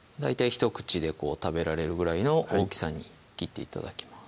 １口でこう食べられるぐらいの大きさに切って頂きます